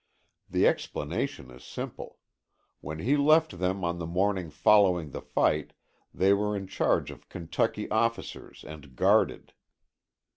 The explanation is simple. When he left them on the morning following the fight they were in charge of Kentucky officers and guarded.